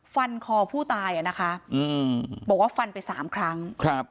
ฟันคอผู้ตายอ่ะนะคะอืมบอกว่าฟันไปสามครั้งครับ